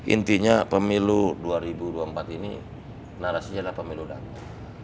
intinya pemilu dua ribu dua puluh empat ini narasi ada pemilu dana